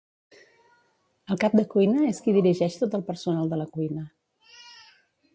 El cap de cuina és qui dirigeix tot el personal de la cuina.